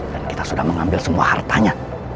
dan kita sudah mengambil semua hartanya